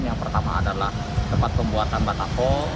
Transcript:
yang pertama adalah tempat pembuatan batako